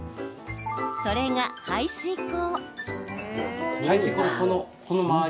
それが、排水口。